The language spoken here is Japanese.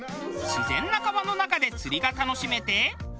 自然な川の中で釣りが楽しめて。